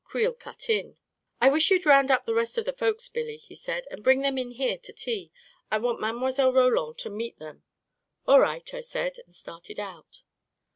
Creel cut in. " I wish you'd round up the rest of the folks, Billy," he said, " and bring them in here to tea. I want Mile. Roland to meet them." " All right," I said, and started out.